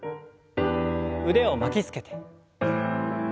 腕を巻きつけて。